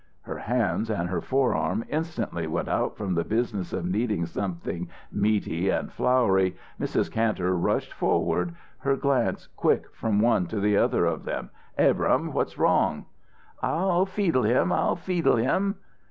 Her hands and her forearms instantly out from the business of kneading something meaty and floury, Mrs. Kantor rushed forward, her glance quick from one to the other of them. "Abrahm, what's wrong?" "I'll feedle him! I'll feedle him!"